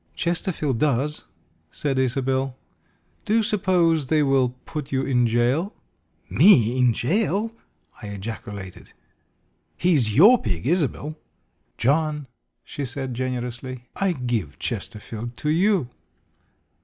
"Chesterfield does," said Isobel. "Do you suppose they will put you in jail?" "Me in jail?" I ejaculated. "He is your pig, Isobel." "John," she said generously, "I give Chesterfield to you."